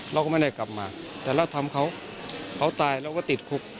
เราก็ไม่ได้กลับมาแต่เราทำเขาเขาตายเราก็ติดคุก